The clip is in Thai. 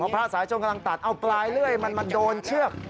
พระสายชนกำลังตัดเอาปลายเลื่อยมันมาโดนเชือก